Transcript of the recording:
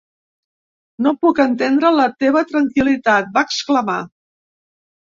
"No puc entendre la teva tranquil·litat", va exclamar.